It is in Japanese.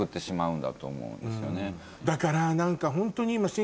だから何かホントに今。